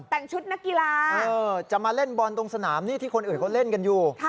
แต่งชุดนักกีฬาจะมาเล่นบอลตรงสนามนี่ที่คนอื่นเขาเล่นกันอยู่